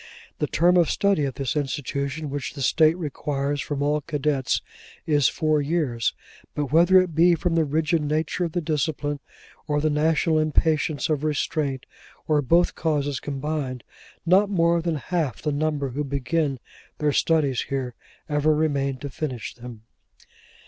The term of study at this institution, which the State requires from all cadets, is four years; but, whether it be from the rigid nature of the discipline, or the national impatience of restraint, or both causes combined, not more than half the number who begin their studies here, ever remain to finish them.